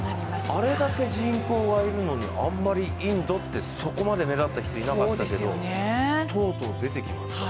あれだけ人口がいるのに、あまりインドってそこまで目立った人っていなかったけど、とうとう出てきました。